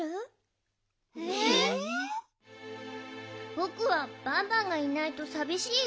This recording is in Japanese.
ぼくはバンバンがいないとさびしいよ。